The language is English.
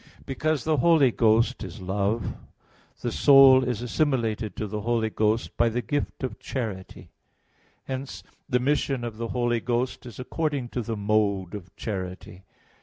Because the Holy Ghost is Love, the soul is assimilated to the Holy Ghost by the gift of charity: hence the mission of the Holy Ghost is according to the mode of charity.